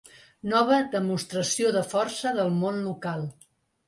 Nova demostració de força del món local.